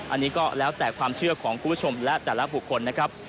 อันนี้ก็แล้วแต่ความเชื่อของคุณผู้ชมและแต่ละบุคคลนะครับ